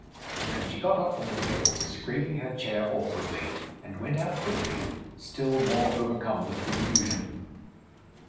And she got up from the table, scraping her chair awkwardly, and went out quickly, still more overcome with confusion.